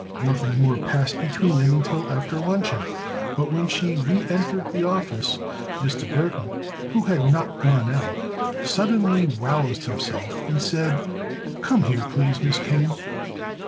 Nothing more passed between them until after luncheon, but when she reëntered the office Mr. Burthon, who had not gone out, suddenly roused himself and said: "Come here, please, Miss Kane."